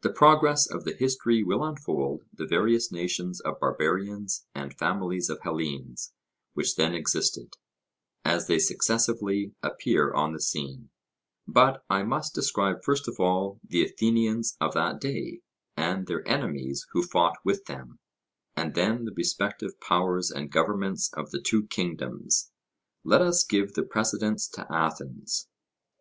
The progress of the history will unfold the various nations of barbarians and families of Hellenes which then existed, as they successively appear on the scene; but I must describe first of all the Athenians of that day, and their enemies who fought with them, and then the respective powers and governments of the two kingdoms. Let us give the precedence to Athens.